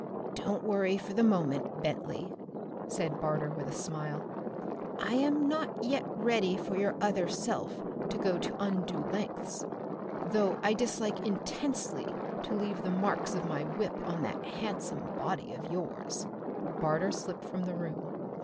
"Don't worry for the moment, Bentley," said Barter with a smile. "I am not yet ready for your other self to go to undue lengths though I dislike intensely to leave the marks of my whip on that handsome body of yours!" Barter slipped from the room.